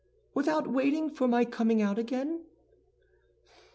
"Without waiting for my coming out again?"